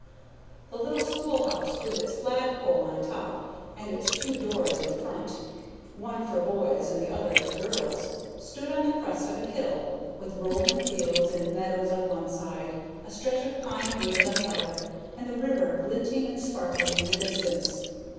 The little schoolhouse with its flagpole on top and its two doors in front, one for boys and the other for girls, stood on the crest of a hill, with rolling fields and meadows on one side, a stretch of pine woods on the other, and the river glinting and sparkling in the distance.